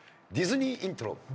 ディズニーイントロ。